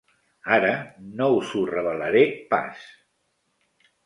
Ara no us ho revelaré pas.